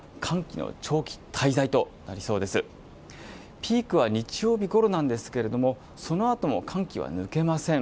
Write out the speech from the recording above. ピークは日曜日ごろなんですがそのあとも寒気は抜けません。